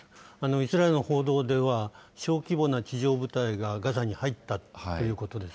イスラエルの報道では、小規模な地上部隊がガザに入ったということです。